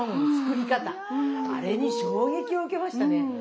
あれに衝撃を受けましたね。